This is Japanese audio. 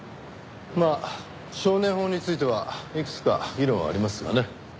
まあ少年法についてはいくつか議論はありますがね。